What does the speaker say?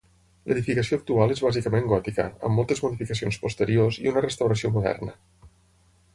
L'edificació actual és bàsicament gòtica, amb moltes modificacions posteriors i una restauració moderna.